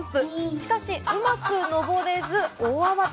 しかし、うまく登れず、大慌て。